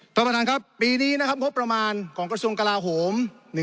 ท่านประธานครับปีนี้นะครับงบประมาณของกระทรวงกลาโหม